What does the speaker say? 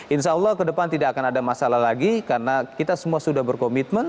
insya allah ke depan tidak akan ada masalah lagi karena kita semua sudah berkomitmen